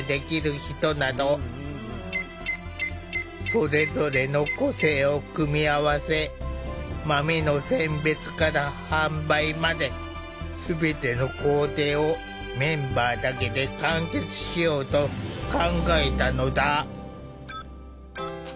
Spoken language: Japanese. それぞれの個性を組み合わせ豆の選別から販売まで全ての工程をメンバーだけで完結しようと考えたのだ。